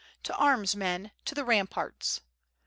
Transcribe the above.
"To arms, men! To the ramparts!"